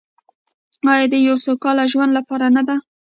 آیا د یو سوکاله ژوند لپاره نه ده؟